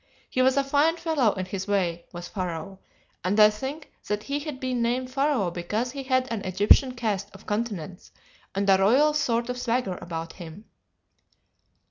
He was a fine fellow in his way, was Pharaoh, and I think that he had been named Pharaoh because he had an Egyptian cast of countenance and a royal sort of swagger about him.